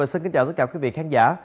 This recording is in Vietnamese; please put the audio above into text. xin chào tất cả quý vị khán giả